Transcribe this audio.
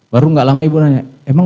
baru gak lama ibu nanya emang